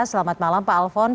selamat malam pak alphonse